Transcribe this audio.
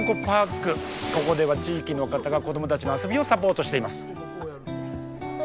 ここでは地域の方が子どもたちの遊びをサポートしています。